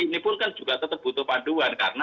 ini pun kan juga tetap butuh panduan karena